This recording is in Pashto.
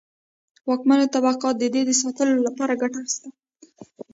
واکمنو طبقاتو د دې د ساتلو لپاره ګټه اخیسته.